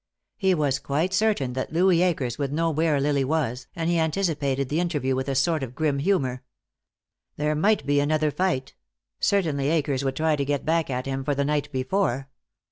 He was quite certain that Louis Akers would know where Lily was, and he anticipated the interview with a sort of grim humor. There might be another fight; certainly Akers would try to get back at him for the night before.